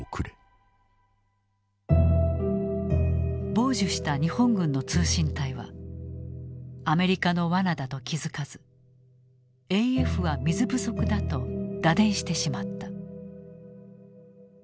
傍受した日本軍の通信隊はアメリカのわなだと気付かずＡＦは水不足だと打電してしまった。